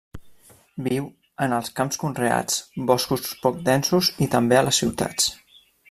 Viu en els camps conreats, boscos poc densos i també a les ciutats.